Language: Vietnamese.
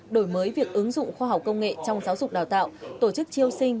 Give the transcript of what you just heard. đổi mới việc ứng dụng khoa học công nghệ trong giáo dục đào tạo tổ chức triêu sinh